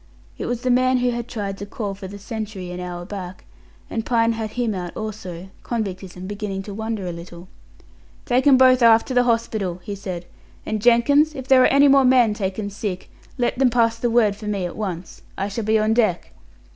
It was the man who had tried to call for the sentry an hour back, and Pine had him out also; convictism beginning to wonder a little. "Take 'em both aft to the hospital," he said; "and, Jenkins, if there are any more men taken sick, let them pass the word for me at once. I shall be on deck."